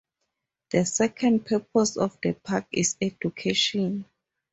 The second purpose of the park is education.